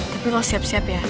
tapi lo siap siap ya